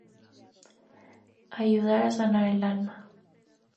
Ayudar a sanar el alma.